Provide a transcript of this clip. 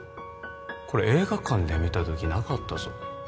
これ映画館で見た時なかったぞ